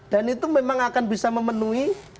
dan itu memang akan bisa memenuhi